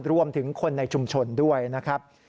รวมถึงคนในชุมชนด้วยนะครับ